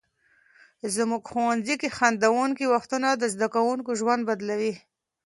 زموږ ښوونځي کې خندونکي وختونه د زده کوونکو ژوند بدلوي.